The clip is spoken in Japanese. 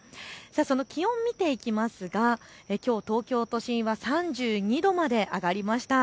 気温を見ていきますがきょう東京都心は３２度まで上がりました。